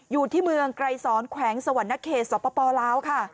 อยู่ที่เมืองไกลศรแขวงสวรรณเขตสปลาว